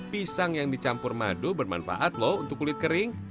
pisang yang dicampur madu bermanfaat loh untuk kulit kering